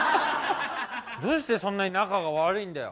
どうしてそんなに仲が悪いんだよ？